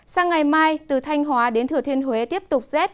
sang ngày mai từ thanh hóa đến thừa thiên huế tiếp tục rét